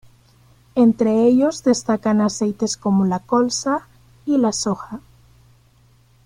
Entre ellos destacan aceites como la colza y la soja.